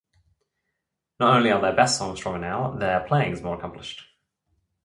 Not only are their best songs stronger now, their playing is more accomplished.